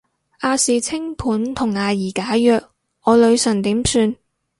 亞視清盤同阿儀解約，我女神點算